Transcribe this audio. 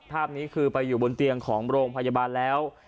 ภาพนี้คือไปอยู่บนเตียงของโรงพยาบาลแล้ว